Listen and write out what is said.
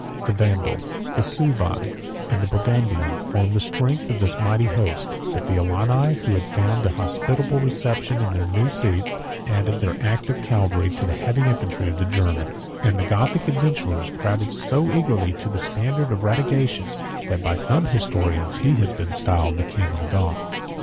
The Vandals, the Suevi, and the Burgundians, formed the strength of this mighty host; but the Alani, who had found a hospitable reception in their new seats, added their active cavalry to the heavy infantry of the Germans; and the Gothic adventurers crowded so eagerly to the standard of Radagaisus, that by some historians, he has been styled the King of the Goths.